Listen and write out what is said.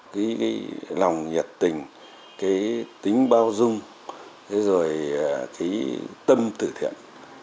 cái lòng nhiệt tình cái tính bao dung cái tâm thử thiện